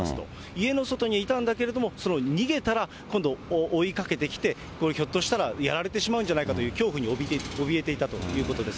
家の外にいたんだけれども、逃げたら、今度、追いかけてきて、ひょっとしたらやられてしまうんじゃないかという恐怖におびえていたということです。